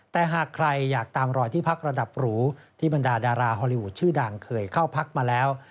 แต่หากใครอยากตามรอยที่พักระดับหรูที่บรรดาดาราฮอลลีวูดชื่อดังเคยเข้าพักมาแล้ว